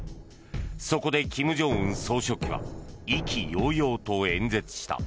そこで金正恩総書記は意気揚々と演説した。